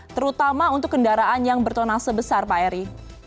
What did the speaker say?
terutama untuk kendaraan yang bertonase besar pak eri